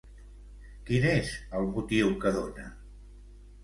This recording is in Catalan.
Quin és el motiu que dona?